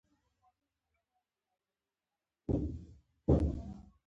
خپله یوه خور یې ورته په نکاح کړه.